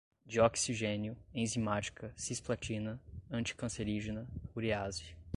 dioxigênio, enzimática, cisplatina, anticancerígena, urease